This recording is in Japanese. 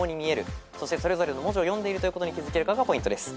そしてそれぞれの文字を読んでいるということに気づけるかがポイントです。